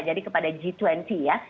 jadi kepada g dua puluh ya